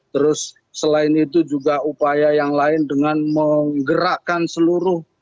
terus selain itu juga upaya yang lain dengan menggerakkan seluruh